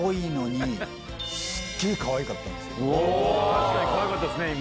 確かにかわいかったですね今。